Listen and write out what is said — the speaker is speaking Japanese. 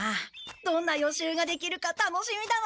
どんな予習ができるか楽しみだな！